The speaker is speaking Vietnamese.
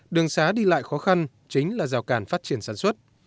đường xá đi lại khó khăn chính là rào cản phát triển sản xuất